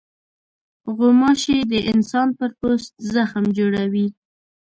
غوماشې د انسان پر پوست زخم جوړوي.